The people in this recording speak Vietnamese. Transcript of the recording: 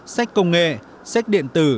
sách công nghệ sách điện tử